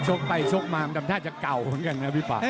ชกไปชกมามันทำท่าจากเก่ากันนะครับพี่ป้า